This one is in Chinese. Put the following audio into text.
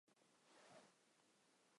他的热情依旧维持在民族志学术上。